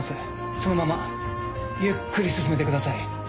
そのままゆっくり進めてください